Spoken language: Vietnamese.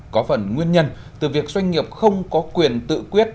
có phần nguyên nhân từ việc doanh nghiệp không có quyền tự quyết